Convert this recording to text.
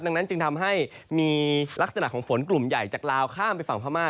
ดังนั้นจึงทำให้มีลักษณะของฝนกลุ่มใหญ่จากลาวข้ามไปฝั่งพม่า